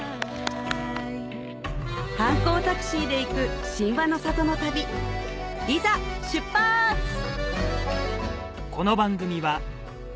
観光タクシーで行く神話の里の旅いざしゅっぱつ！